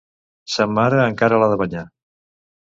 Sa mare encara l'ha de banyar.